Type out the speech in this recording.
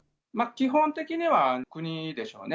基本的には国でしょうね。